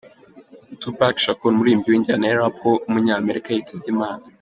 Tu Pac Shakur, umuririmbyi w’injyana ya Rap w’umunyamerika yitabye Imana.